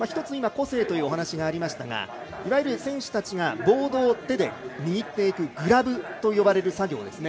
今、個性というお話がありましたがいわゆる選手たちがボードを手で握っていくグラブと呼ばれる作業。